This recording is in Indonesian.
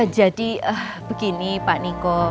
jadi begini pak niko